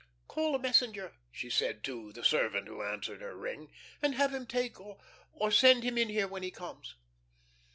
"Call a messenger," she said to the servant who answered her ring, "and have him take or send him in here when he comes."